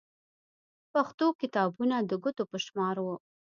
پښتو کتابونه د ګوتو په شمار وو.